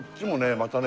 またね